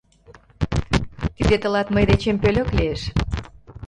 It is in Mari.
Тиде тылат мый дечем пӧлек лиеш.